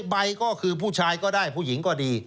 ใบก็คือผู้ชายก็ได้ผู้หญิงก็ดี